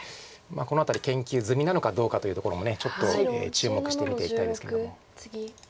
この辺り研究済みなのかどうかというところもちょっと注目して見ていたいですけれども。